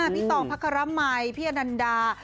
พี่ตอห์งพักคระไหมพี่อนันดา